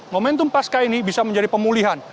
momentum pasca ini bisa menjadi pemulihan